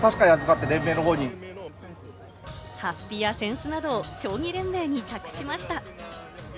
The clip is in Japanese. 法被や扇子などを将棋連盟に託しました。